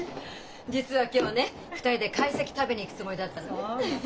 実は今日ね２人で懐石食べに行くつもりだったの。